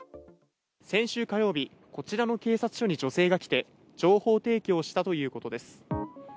先週火曜日、こちらの警察署に女性が来て、情報提供したということです。